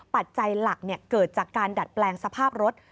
ปัจจัยหลักเกิดจากการดัดแปลงสภาพรถ